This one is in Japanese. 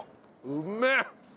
うんめえ！